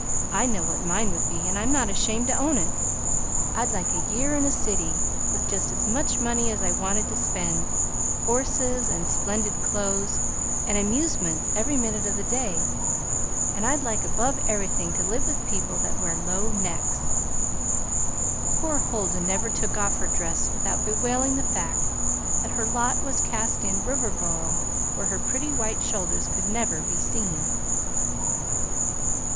"I know what mine would be, and I'm not ashamed to own it. I'd like a year in a city, with just as much money as I wanted to spend, horses and splendid clothes and amusements every minute of the day; and I'd like above everything to live with people that wear low necks." (Poor Huldah never took off her dress without bewailing the fact that her lot was cast in Riverboro, where her pretty white shoulders could never be seen.)